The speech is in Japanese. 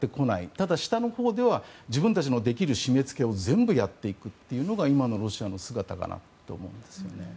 ただ、下のほうでは自分たちのできる締めつけを全部やっていくというのが今のロシアの姿かなと思うんですね。